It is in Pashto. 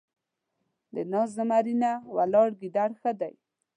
د ناست زمري نه ، ولاړ ګيدړ ښه دی.